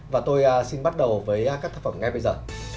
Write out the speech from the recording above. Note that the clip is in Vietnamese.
và tôi xin bắt đầu với các tác phẩm ngay bây giờ